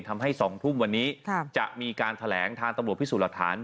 ทำให้๒ทุ่มวันนี้จะมีการแถลงทางตะบวกพิสูรฐาน